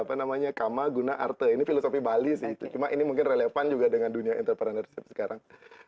apa namanya kama guna arte ini filosofi bali sih cuma ini mungkin relevan juga dengan dunia entrepreneurship sekarang